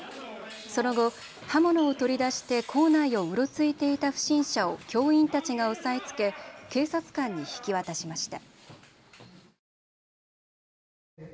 その後、刃物を取り出して校内をうろついていた不審者を教員たちが押さえつけ警察官に引き渡しました。